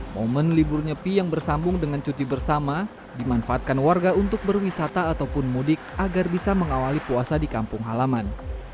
momen libur nyepi yang bersambung dengan cuti bersama dimanfaatkan warga untuk berwisata ataupun mudik agar bisa mengawali puasa di kampung halaman